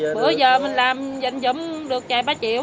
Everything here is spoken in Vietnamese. bữa giờ mình làm dành dụng được trài ba triệu